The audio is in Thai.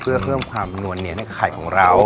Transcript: เพื่อเพิ่มความนวลเนียนให้ไข่ของเรา